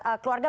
oh itu sih